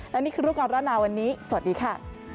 และนี่คือรูปก่อนร้อนหนาวันนี้สวัสดีค่ะ